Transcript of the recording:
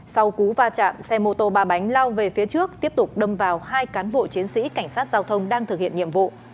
sau cú va chạm xe mô tô ba bánh lao về phía trước tiếp tục đâm vào hai cán bộ chiến sĩ cảnh sát giao thông đang thực hiện nhiệm vụ